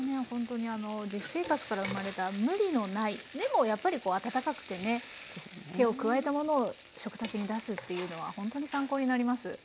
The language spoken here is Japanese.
ほんとにあの実生活から生まれた無理のないでもやっぱりこう温かくてね手を加えたものを食卓に出すっていうのはほんとに参考になります。